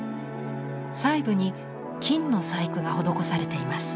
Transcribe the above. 細部に金の細工が施されています。